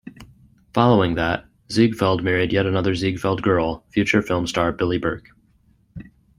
Following that, Ziegfeld married yet another Ziegfeld girl, future film star Billie Burke.